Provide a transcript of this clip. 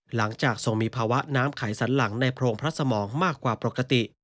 หลังจากทรงมีภาวะน้ำไขสันหลังในโพรงพระสมองมากกว่าปกติ